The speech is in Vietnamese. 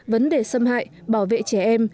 vấn đề xâm hại bảo vệ trẻ em